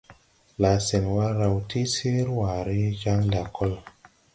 Laasenwa raw ti sir waaré jaŋ lakol.